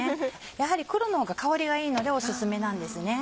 やはり黒の方が香りがいいのでオススメなんですね。